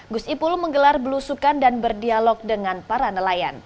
gus ipul menggelar belusukan dan berdialog dengan para nelayan